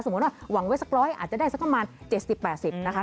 สมมุติว่าวางไว้สักร้อยอาจจะได้ซักประมาณแบบ๗๐๘๐นะคะ